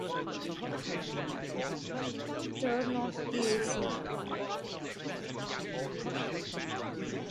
The word is derived from the Old French verb attilier, meaning "to equip".